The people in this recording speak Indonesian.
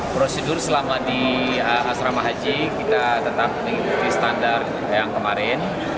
prosedur selama di asrama haji kita tetap mengikuti standar yang kemarin